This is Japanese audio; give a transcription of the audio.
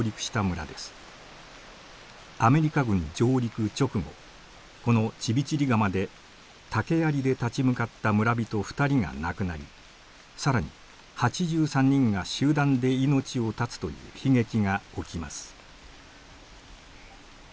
アメリカ軍上陸直後このチビチリガマで竹やりで立ち向かった村人２人が亡くなり更に８３人が集団で命を絶つという悲劇が起きます。